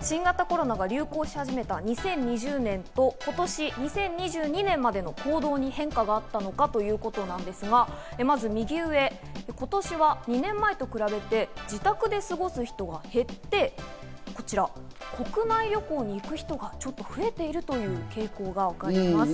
新型コロナが流行し始めた２０２０年と、今年２０２２年までの行動に変化があったのかということなんですが、まず右上、今年は２年前と比べて、自宅で過ごす人が減って、こちら、国内旅行に行く人がちょっと増えているという傾向がわかります。